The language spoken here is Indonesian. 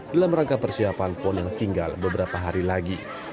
dalam rangka persiapan pon yang tinggal beberapa hari lagi